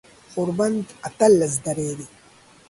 غوربند اتلس درې دی